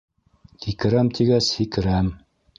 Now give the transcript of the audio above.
Кикерәм тигәс, һикерәм...